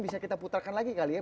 bisa kita putarkan lagi kali ya